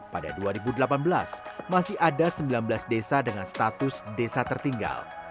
pada dua ribu delapan belas masih ada sembilan belas desa dengan status desa tertinggal